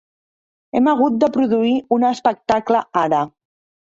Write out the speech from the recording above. Hem hagut de produir un espectacle ara.